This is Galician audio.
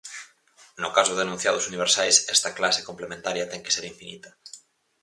No caso de enunciados universais, esta clase complementaria ten que ser infinita.